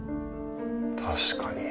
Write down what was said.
確かに。